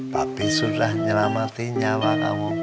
tapi sudah nyelamatinya pak kamu